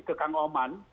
ke kang oman